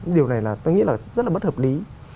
điều này là tôi nghĩ là rất là bất hợp lý